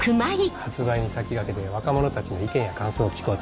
発売に先駆けて若者たちの意見や感想を聞こうということで。